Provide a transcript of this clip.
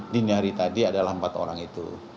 dini hari tadi adalah empat orang itu